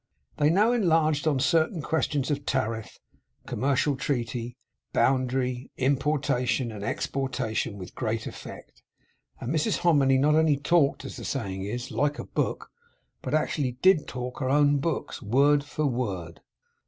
They now enlarged on certain questions of tariff, commercial treaty, boundary, importation and exportation with great effect. And Mrs Hominy not only talked, as the saying is, like a book, but actually did talk her own books, word for word.